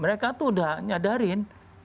mereka itu udah nyadarin